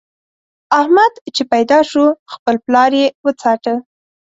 احمد چې پيدا شو؛ خپل پلار يې وڅاټه.